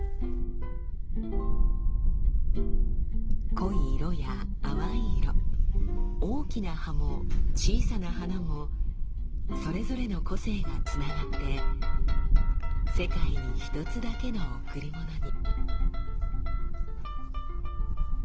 濃い色や淡い色大きな葉も小さな花もそれぞれの個性がつながって世界に一つだけの贈り物に。